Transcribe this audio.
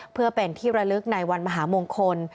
เพื่อเป็นที่ระลึกในวันมหามงคล